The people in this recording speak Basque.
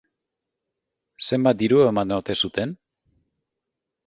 Zenbat diru eman ote zuten?